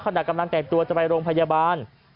ขณะกำลังแต่งตัวจะไปโรงพยาบาล